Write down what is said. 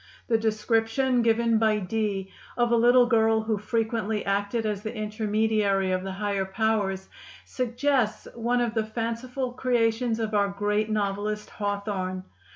The description given by Dee of a little girl who frequently acted as the intermediary of the higher powers suggests one of the fanciful creations of our great novelist Hawthorne.